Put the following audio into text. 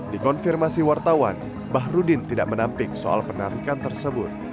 di konfirmasi wartawan bahru dinasori tidak menamping soal penarikan tersebut